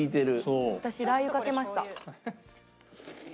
私ラー油かけました。